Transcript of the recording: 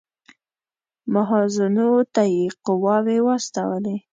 محاذونو ته یې قواوې واستولې.